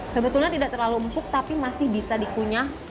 sebetulnya tidak terlalu empuk tapi masih bisa dikunyah